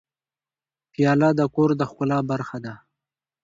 پیاله د کور د ښکلا برخه ده.